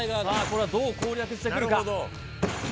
これはどう攻略してくるか？